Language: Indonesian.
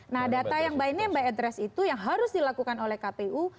nah data yang by name by address itu yang harus dilakukan oleh kpu